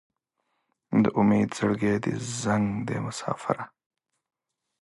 د امید زړګی دې زنګ دی مساپره